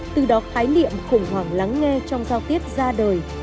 từ đó khái niệm khủng hoảng lắng nghe trong giao tiếp ra đời